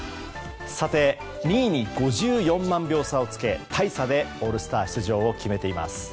さて、２位に５４万秒差をつけ大差でオールスター出場を決めています。